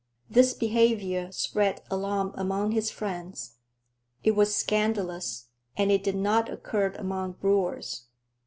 This behavior spread alarm among his friends. It was scandalous, and it did not occur among brewers.